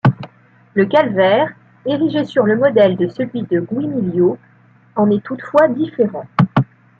Le calvaire, érigé sur le modèle de celui de Guimiliau, en est toutefois différent.